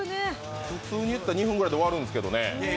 普通にやったら２分ぐらいで終わるんですけどね。